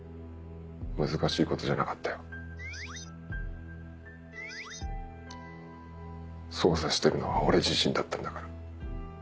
難しいことじゃなかったよ。捜査してるのは俺自身だったんだから。